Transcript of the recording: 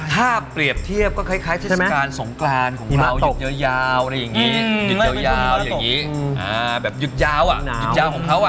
ถ้าเปรียบเทียบก็คล้ายเทศกาลสงกรานของเราหยุดยาวอะไรอย่างนี้หยุดยาวอย่างนี้แบบหยุดยาวอ่ะหยุดยาวของเขาอ่ะ